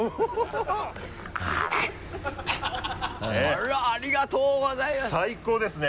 あらありがとうございます最高ですね！